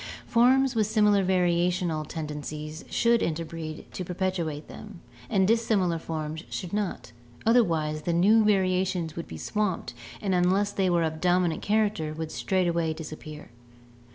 Forms with similar variational tendencies should interbreed to perpetuate them, and dissimilar forms should not, otherwise the new variations would be swamped and unless they were of dominant character would straightway disappear.